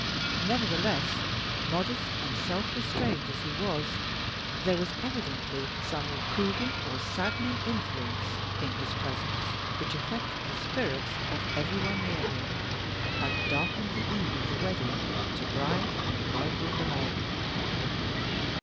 Nevertheless, modest and self restrained as he was, there was evidently some reproving or saddening influence in his presence which affected the spirits of every one near him, and darkened the eve of the wedding to bride and bridegroom alike.